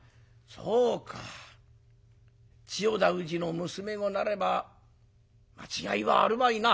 そうか千代田氏の娘御なれば間違いはあるまいな。